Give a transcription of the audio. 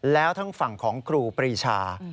แล้วทั้งฝั่งของครูปรีชา